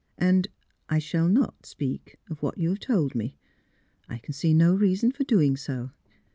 And — I shall not speak of what you have told me. I can see no reason for doing so.